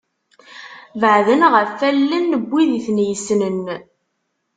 Beɛden ɣef wallen n wid i ten-yessnen.